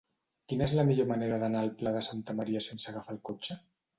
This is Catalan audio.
Quina és la millor manera d'anar al Pla de Santa Maria sense agafar el cotxe?